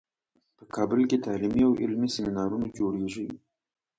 په کابل کې تعلیمي او علمي سیمینارونو جوړیږي